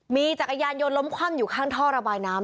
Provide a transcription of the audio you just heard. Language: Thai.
มีจักรยานยนต์ล้มคว่ำอยู่ข้างท่อระบายน้ำ